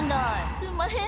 すんまへん！